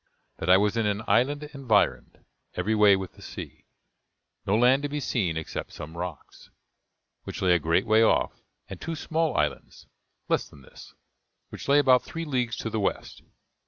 that I was in an island environed every way with the sea: no land to be seen except some rocks, which lay a great way off; and two small islands, less than this, which lay about three leagues to the west.